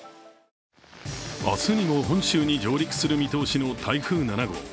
明日にも本州に上陸する見通しの台風７号。